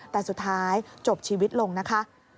แต่สุดท้ายจบชีวิตลงนะคะ